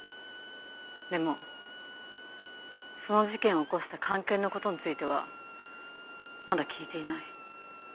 でもその事件を起こした菅研のことについてはまだ聞いていない。